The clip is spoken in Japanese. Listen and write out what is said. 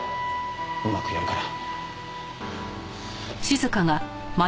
うまくやるから。